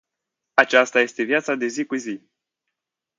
Aceasta este viața de zi cu zi.